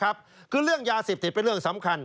ที่ผมนี่แหละครับคือเรื่องยาเสพติดเป็นเรื่องสำคัญ